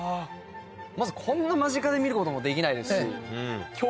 まずこんな間近で見ることもできないですし。